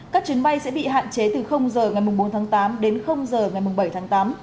các chuyến bay sẽ bị hạn chế từ giờ ngày bốn tháng tám đến giờ ngày bảy tháng tám